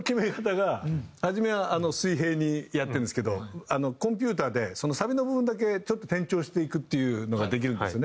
初めは水平にやってるんですけどコンピューターでサビの部分だけちょっと転調していくっていうのができるんですね。